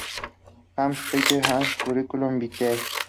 James Peter Allen: "Curriculum Vitae"